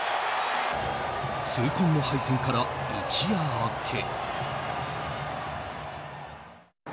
痛恨の敗戦から一夜明け。